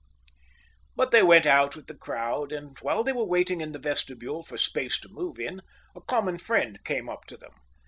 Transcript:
But they went out with the crowd, and while they were waiting in the vestibule for space to move in, a common friend came up to them.